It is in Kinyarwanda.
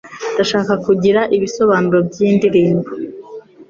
Ndashaka kugira ibisobanuro byiyi ndirimbo.